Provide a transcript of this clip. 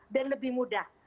dan lebih mudah